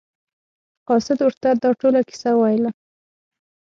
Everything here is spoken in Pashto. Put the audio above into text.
قاصد ورته دا ټوله کیسه وویله.